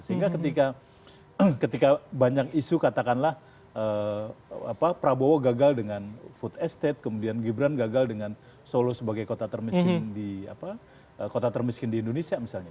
sehingga ketika banyak isu katakanlah prabowo gagal dengan food estate kemudian gibran gagal dengan solo sebagai kota termiskin di kota termiskin di indonesia misalnya